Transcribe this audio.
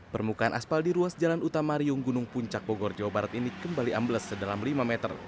permukaan aspal di ruas jalan utama riung gunung puncak bogor jawa barat ini kembali ambles sedalam lima meter